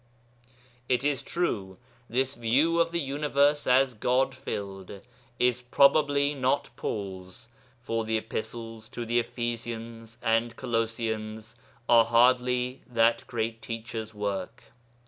"' It is true, this view of the Universe as God filled is probably not Paul's, for the Epistles to the Ephesians and Colossians are hardly that great teacher's work.